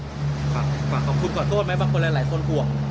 ฝากขอบคุณขอโทษไหมบางคนหลายคนห่วง